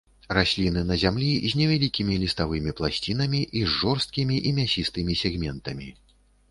Расліны на зямлі з невялікімі ліставымі пласцінамі і з жорсткімі і мясістымі сегментамі.